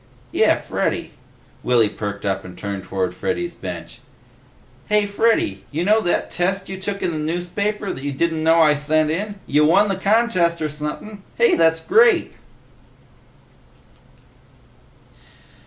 "Yeh, Freddy." Willy perked up and turned toward Freddy's bench. "Hey, Freddy! Hey, you know that test you took in the newspaper that you didn't know I sent in? You won the contest or sumpin'! Hey, that's great!"